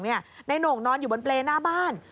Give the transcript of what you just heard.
โหน่งนอนอยู่บนเปรย์หน้าบ้าน